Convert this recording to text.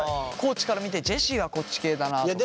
地から見てジェシーはこっち系だなとか。